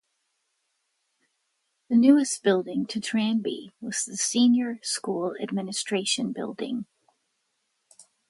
The newest building to Tranby was the Senior School Administration Building.